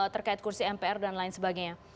terkait kursi mpr dan lain sebagainya